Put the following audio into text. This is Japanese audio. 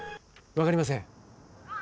分かりません。